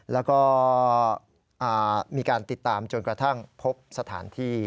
แล้วก็มีการติดตามจนกระทั่งพบสถานที่